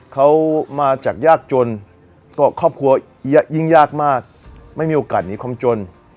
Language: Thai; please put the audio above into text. เขามาจากยากจนก็ครอบครัวยิ่งยากมากไม่มีโอกาสหนีความจน